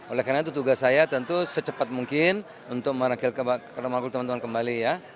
oleh karena itu tugas saya tentu secepat mungkin untuk memanggil teman teman kembali ya